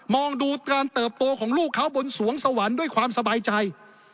องดูการเติบโตของลูกเขาบนสวงสวรรค์ด้วยความสบายใจ